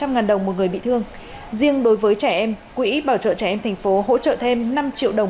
một trăm linh ngàn đồng một người bị thương riêng đối với trẻ em quỹ bảo trợ trẻ em thành phố hỗ trợ thêm năm triệu đồng